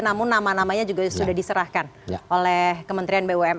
namun nama namanya juga sudah diserahkan oleh kementerian bumn